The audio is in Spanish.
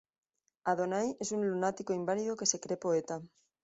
Adonai es un lunático inválido que se cree poeta.